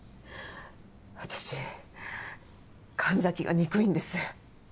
私神崎が憎いんです。